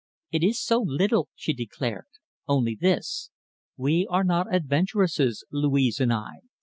"It is so little," she declared; "only this. We are not adventuresses, Louise and I.